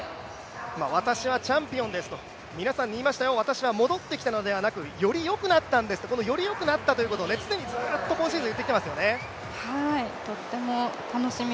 私はチャンピオンですと皆さんに言いましたよ、私は戻ってきたのではなくよりよくなったんですと、このよりよくなったということを常にずっと今シーズン言ってきていますよね。